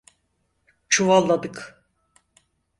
Çuvalladık.